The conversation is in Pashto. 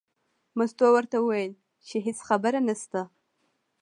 مستو ورته وویل چې هېڅ خبره نشته.